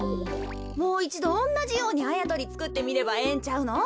もういちどおんなじようにあやとりつくってみればええんちゃうの？